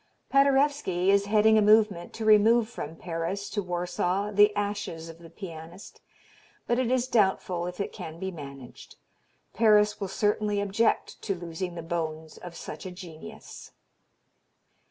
Paderewski is heading a movement to remove from Paris to Warsaw the ashes of the pianist, but it is doubtful if it can be managed. Paris will certainly object to losing the bones of such a genius.